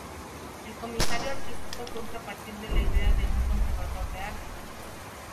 El comisario artístico surge a partir de la idea de un conservador de arte.